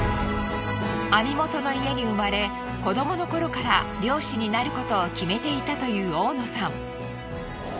網元の家に生まれ子どもの頃から漁師になることを決めていたという大野さん。